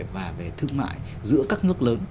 và về thương mại giữa các nước lớn